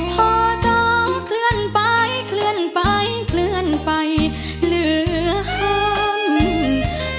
พ่อซ้อเขื่อนไปเขื่อนไปเขื่อนไปหลือห้ำ